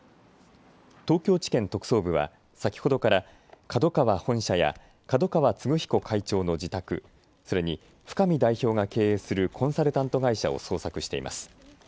東京地検特捜部は先ほどからＫＡＤＯＫＡＷＡ本社や角川歴彦会長の自宅、それに深見代表が経営するコンサルタント会社を捜索しています。